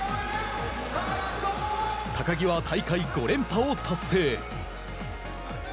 高木は大会５連覇を達成。